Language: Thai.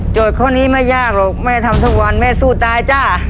ข้อนี้ไม่ยากหรอกแม่ทำทุกวันแม่สู้ตายจ้า